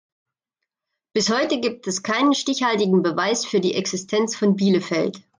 Bis heute gibt es keinen stichhaltigen Beweis für die Existenz von Bielefeld.